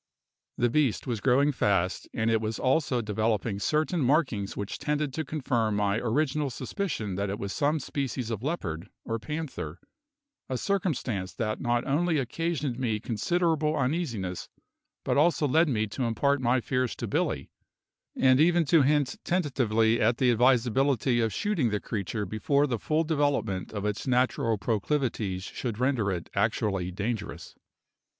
The beast was growing fast, and it was also developing certain markings which tended to confirm my original suspicion that it was some species of leopard, or panther, a circumstance that not only occasioned me considerable uneasiness but also led me to impart my fears to Billy, and even to hint tentatively at the advisability of shooting the creature before the full development of its natural proclivities should render it actually dangerous.